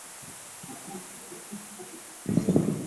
阳城缪侯。